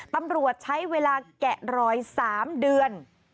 ตำรวจใช้เวลาแกะรอย๓เดือน